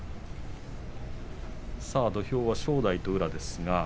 土俵は正代と宇良。